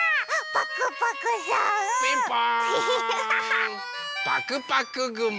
パクパクぐも！